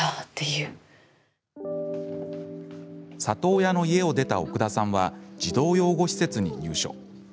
里親の家を出た奥田さんは児童養護施設に入所。